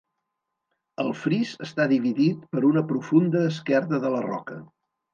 El fris està dividit per una profunda esquerda de la roca.